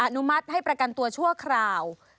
นุมัติให้ประกันตัวชั่วคราว